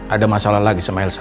ada masalah lagi sama elsa